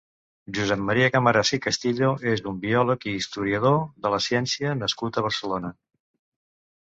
Josep Maria Camarasa i Castillo és un biòleg i historiador de la ciència nascut a Barcelona.